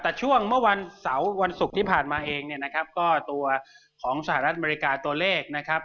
แต่ช่วงเมื่อวันเสาร์วันศุกร์ที่ผ่านมาเองเนี่ยนะครับก็ตัวของสหรัฐอเมริกาตัวเลขนะครับ